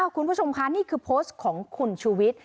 คุณผู้ชมค่ะนี่คือโพสต์ของคุณชูวิทย์